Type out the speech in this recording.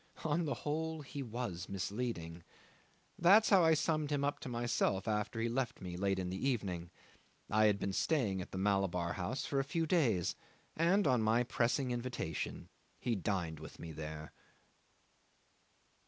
Upon the whole he was misleading. That's how I summed him up to myself after he left me late in the evening. I had been staying at the Malabar House for a few days, and on my pressing invitation he dined with me there.